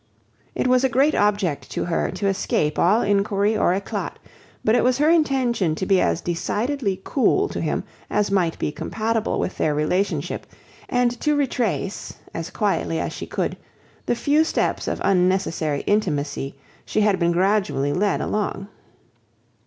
It was a great object to her to escape all enquiry or eclat; but it was her intention to be as decidedly cool to him as might be compatible with their relationship; and to retrace, as quietly as she could, the few steps of unnecessary intimacy she had been gradually led along.